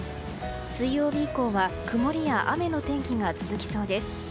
水曜日以降は曇りや雨の天気が続きそうです。